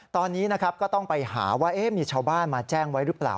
ตอนนี้นะครับก็ต้องไปหาว่ามีชาวบ้านมาแจ้งไว้หรือเปล่า